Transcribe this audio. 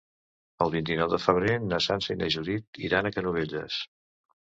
El vint-i-nou de febrer na Sança i na Judit iran a Canovelles.